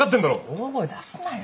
大声出すなよ